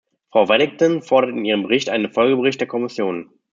Frau Waddington fordert in ihrem Bericht einen Folgebericht der Kommission.